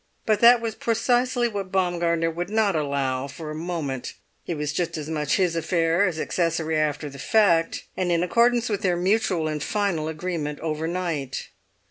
But that was precisely what Baumgartner would not allow for a moment; it was just as much his affair as accessory after the fact, and in accordance with their mutual and final agreement overnight.